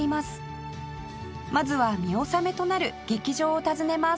まずは見納めとなる劇場を訪ねます